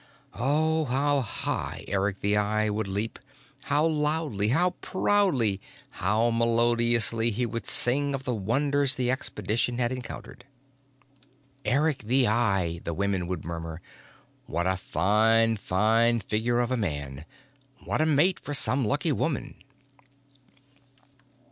Oh, how high Eric the Eye would leap, how loudly, how proudly, how melodiously, he would sing of the wonders the expedition had encountered! "Eric the Eye," the women would murmur. "What a fine, fine figure of a man! What a mate for some lucky woman!"